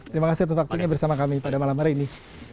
terima kasih atas waktunya bersama kami pada malam hari ini